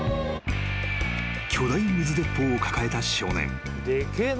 ［巨大水鉄砲を抱えた少年］